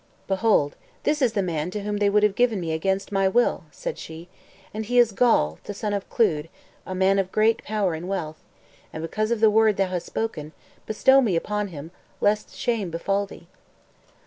"Behold, this is the man to whom they would have given me against my will," said she; "and he is Gawl, the son of Clud, a man of great power and wealth, and because of the word thou hast spoken, bestow me upon him, lest shame befall thee."